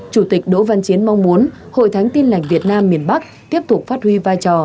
chủ tịch đỗ văn chiến mong muốn hội thánh tin lành việt nam miền bắc tiếp tục phát huy vai trò